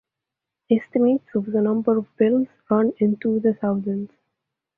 Estimates of the number of bills run into the thousands.